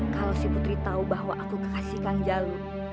kalau putri tahu bahwa aku kekasih kang jalu